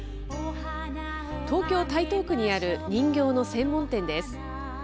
東京・台東区にある人形の専門店です。